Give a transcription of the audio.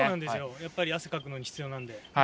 やっぱり汗かくのに必要なんで。